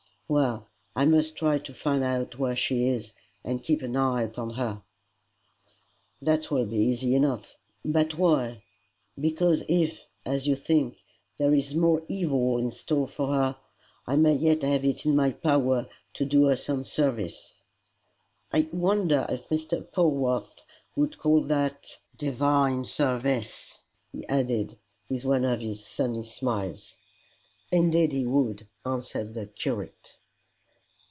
"Well, I must try to find out where she is, and keep an eye upon her." "That will be easy enough. But why?" "Because, if, as you think, there is more evil in store for her, I may yet have it in my power to do her some service. I wonder if Mr. Polwarth would call that DIVINE SERVICE," he added, with one of his sunny smiles. "Indeed he would," answered the curate.